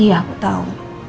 iya aku tahu